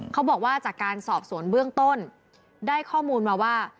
เขาบอกว่าจากการสอบสวนเบื้องต้นได้ข้อมูลมาว่า